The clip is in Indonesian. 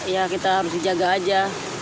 ya kita harus dijaga aja